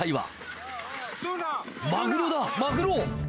マグロだ、マグロ！